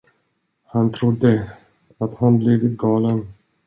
Han trodde, att han blivit galen.